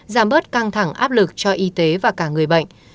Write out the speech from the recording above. giảm bớt căng thẳng áp lực cho y tế và cả người bệnh